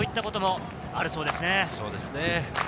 そういったこともあるそうですね。